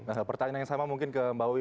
nah pertanyaan yang sama mungkin ke mbak wiwi